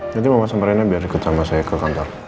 nanti mama sama rena biar deket sama saya ke kantor